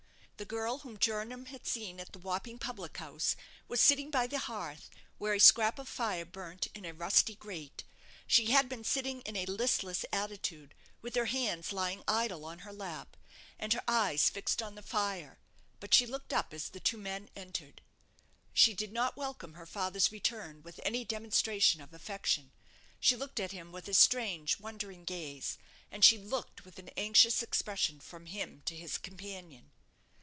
The girl whom Jernam had seen at the Wapping public house was sitting by the hearth, where a scrap of fire burnt in a rusty grate. She had been sitting in a listless attitude, with her hands lying idle on her lap, and her eyes fixed on the fire; but she looked up as the two men entered. She did not welcome her father's return with any demonstration of affection; she looked at him with a strange, wondering gaze; and she looked with an anxious expression from him to his companion.